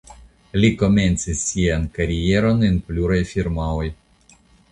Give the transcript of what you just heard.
Li komencis sian karieron en pluraj firmaoj.